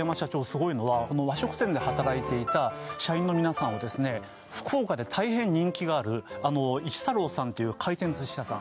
すごいのはこの和食店で働いていた社員の皆さんをですね福岡で大変人気があるあの一太郎さんという回転寿司屋さん